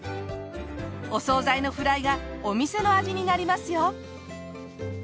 お惣菜のフライがお店の味になりますよ。